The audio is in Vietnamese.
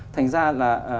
thành ra là